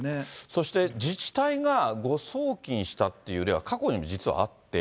そして自治体が誤送金したっていう例は過去にも実はあって。